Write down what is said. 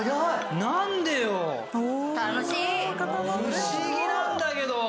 不思議なんだけど！